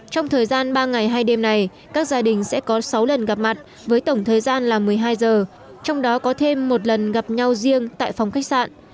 trong thời gian ba ngày hai đêm này các gia đình sẽ có sáu lần gặp mặt với tổng thời gian là một mươi hai giờ trong đó có thêm một lần gặp nhau riêng tại phòng khách sạn